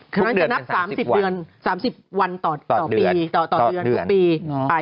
เขาจะนับ๓๐วันต่อปีไป